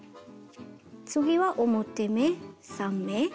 次は表目３目。